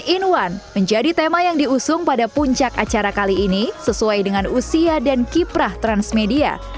satu in satu menjadi tema yang diusung pada puncak acara kali ini sesuai dengan usia dan kiprah transmedia